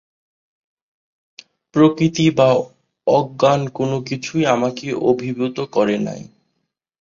প্রকৃতি বা অজ্ঞান কোন কিছুই আমাকে অভিভূত করে নাই।